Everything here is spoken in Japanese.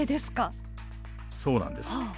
そうなんです。